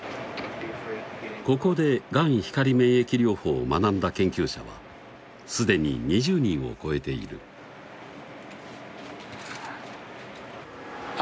ここでがん光免疫療法を学んだ研究者は既に２０人を超えているあ